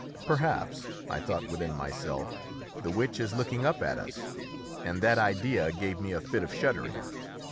Perhaps, I thought within myself, the witch is looking up at us, and that idea gave me a fit of shuddering.